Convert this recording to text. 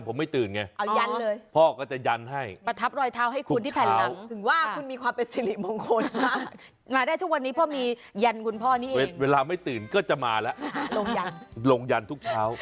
พ่อก็จะหยั่นให้ประทับรอยเท้าให้คุณถึงว่าคุณมีความเป็นสิริมงคลมาได้ทุกวันนี้เพราะมีหยั่นกุณพ่อเวลาไม่ตื่นก็จะมาละ